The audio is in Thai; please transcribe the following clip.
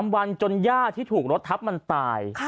วันจนย่าที่ถูกรถทับมันตาย